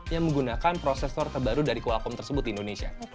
yang menggunakan prosesor terbaru dari qualcom tersebut di indonesia